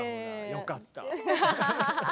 よかった。